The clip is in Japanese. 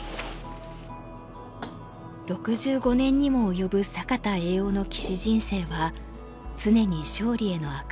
６５年にも及ぶ坂田栄男の棋士人生は常に勝利への飽く